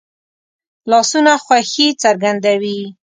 لاسونه خوښي څرګندوي